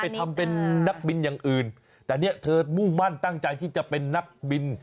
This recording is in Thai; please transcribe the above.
ทำเป็นนักบินอย่างอื่นแต่เนี่ยเธอมุ่งมั่นตั้งใจที่จะเป็นนักบิน